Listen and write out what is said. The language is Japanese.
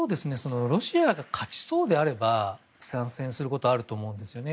ロシアが勝ちそうであれば参戦することはあると思うんですよね。